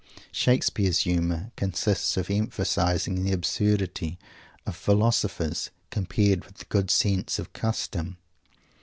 Shakespeare's humour consists in emphasizing the absurdity of philosophers, compared with the good sense of Custom.